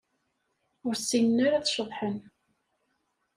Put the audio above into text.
Ur ssinen ara ad ceḍḥen.